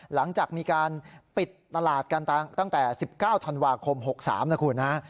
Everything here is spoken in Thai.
หลังจากมีการปิดตลาดกันตั้งแต่๑๙ธันวาคม๖๓นะคุณฮะ